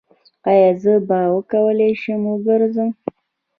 ایا زه به وکولی شم وګرځم؟